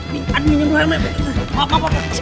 bapak atut dulu